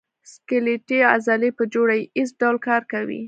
سکلیټي عضلې په جوړه ییز ډول کار کوي.